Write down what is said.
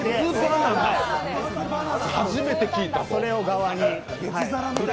初めて聞いたぞ！